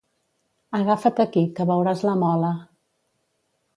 Agafa't aquí, que veuràs la mola.